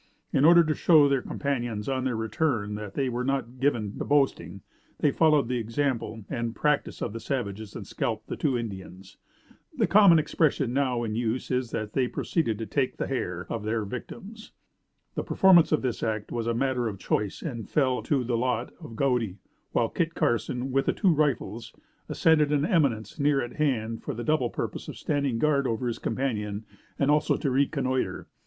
In order to show their companions on their return that they were not given to boasting, they followed the example and practice of the savages and scalped the two Indians. The common expression now in use is that they proceeded to "take the hair" of their victims. The performance of this act was a matter of choice and fell to the lot of Godey, while Kit Carson, with the two rifles, ascended an eminence near at hand for the double purpose of standing guard over his companion and also to reconnoitre.